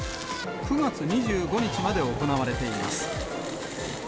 ９月２５日まで行われています。